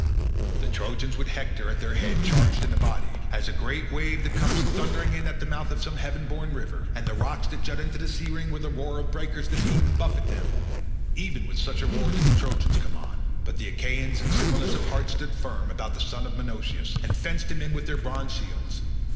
The Trojans with Hector at their head charged in a body. As a great wave that comes thundering in at the mouth of some heaven born river, and the rocks that jut into the sea ring with the roar of the breakers that beat and buffet them—even with such a roar did the Trojans come on; but the Achaeans in singleness of heart stood firm about the son of Menoetius, and fenced him with their bronze shields.